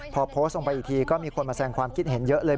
พอโพสต์ลงไปอีกทีก็มีคนมาแสงความคิดเห็นเยอะเลย